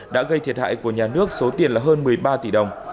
đã gây thiệt hại của nhà nước số tiền là hơn một mươi ba tỷ đồng